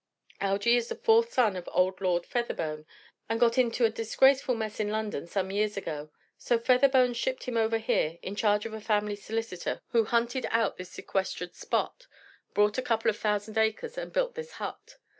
Algy is the fourth son of old Lord Featherbone, and got into a disgraceful mess in London some years ago. So Featherbone shipped him over here, in charge of a family solicitor who hunted out this sequestered spot, bought a couple of thousand acres and built this hut.